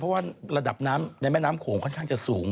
เพราะว่าระดับน้ำในแม่น้ำโขงค่อนข้างจะสูง